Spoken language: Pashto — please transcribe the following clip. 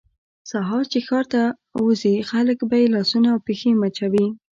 سهار چې ښار ته وځي خلک به یې لاسونه او پښې مچوي.